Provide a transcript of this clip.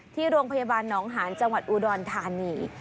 ที่โรงพยาบาลหนองหานจังหวัดอุดรธานี